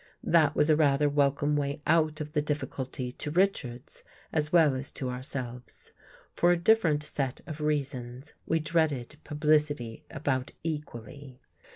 That was a rather wel come way out of the difficulty to Richards as well as to ourselves. For a different set of reasons, we dreaded publicity about equally.